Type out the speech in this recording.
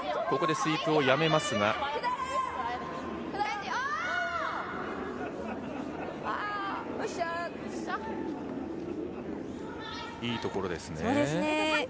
ここでスイープをやめますがいいところですね。